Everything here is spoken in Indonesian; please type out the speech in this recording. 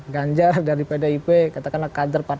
ganjar dari pdip